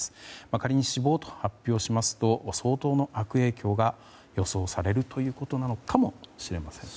仮に死亡と発表しますと相当の悪影響が予想されるということなのかもしれません。